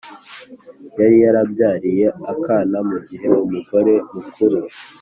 yari yarambyariye akana mu gihe umugore mukuru